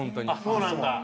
そうなんだ。